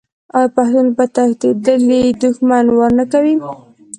آیا پښتون په تښتیدلي دښمن وار نه کوي؟